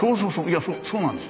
いやそうなんです。